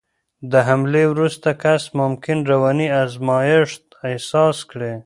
د حملې وروسته کس ممکن رواني آرامښت احساس کړي.